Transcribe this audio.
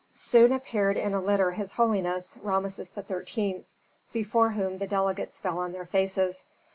Soon appeared in a litter his holiness, Rameses XIII., before whom the delegates fell on their faces.